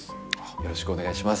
よろしくお願いします。